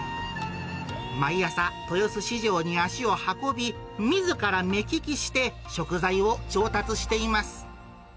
毎朝、豊洲市場に足を運び、みずから目利きして食材を調達しています。